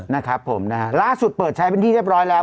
นะครับผมนะฮะล่าสุดเปิดใช้เป็นที่เรียบร้อยแล้ว